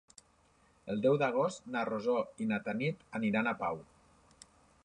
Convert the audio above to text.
El deu d'agost na Rosó i na Tanit aniran a Pau.